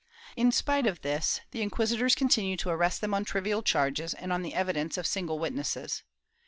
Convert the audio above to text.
In spite of this, the inquisitors continued to arrest them on trivial charges, and on the evidence of single witnesses.